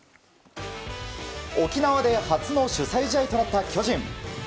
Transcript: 沖縄で初の主催試合となった巨人。